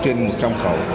trên một trong khẩu